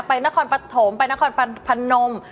นครปฐมไปนครพนม